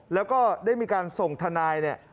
แล้วก็ได้มีการส่งทนาย